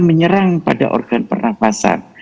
menyerang pada organ pernafasan